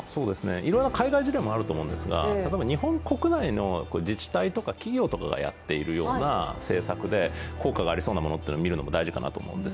いろんな海外事例もあると思うんですが例えば、日本国内の自治体とか企業とかがやっているような政策で効果がありそうなものを見るのも大事かと思うんです。